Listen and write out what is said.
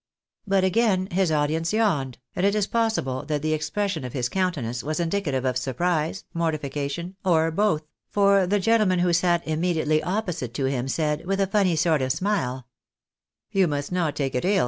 But again his audience yawned, and it is possible that the expression of his countenance was indicative of surprise, mortification, or both ; for the gentleman who sat immediately opposite to him said, with a funny sort of smile —" You must not take it ill.